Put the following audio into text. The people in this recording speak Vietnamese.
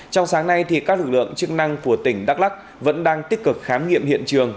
trong sáng nay các lực lượng chức năng của tỉnh đắk lắc vẫn đang tích cực khám nghiệm hiện trường